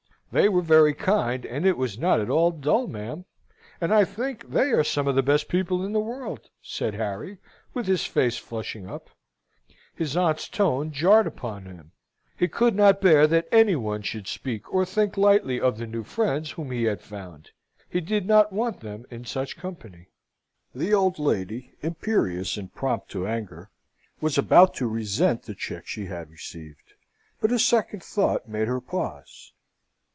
"They were very kind; and it was not at all dull, ma'am, and I think they are some of the best people in the world," said Harry, with his face flushing up. His aunt's tone jarred upon him. He could not bear that any one should speak or think lightly of the new friends whom he had found. He did not want them in such company. The old lady, imperious and prompt to anger, was about to resent the check she had received, but a second thought made her pause.